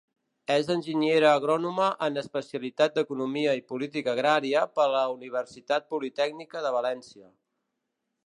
És enginyera agrònoma en especialitat d'Economia i Política Agrària per la Universitat Politècnica de València.